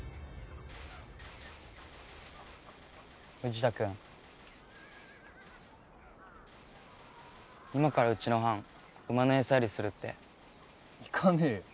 氏田君今からうちの班馬のエサやりするって行かねえよ